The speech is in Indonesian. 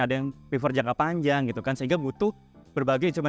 ada yang prefer jangka panjang gitu kan sehingga butuh berbagi bagi ya mbak